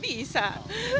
belum tau ada masalah